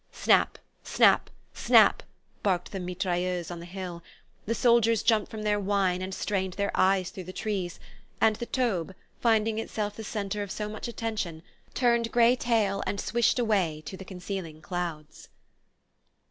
Snap, snap, snap barked the mitrailleuse on the hill, the soldiers jumped from their wine and strained their eyes through the trees, and the Taube, finding itself the centre of so much attention, turned grey tail and swished away to the concealing clouds.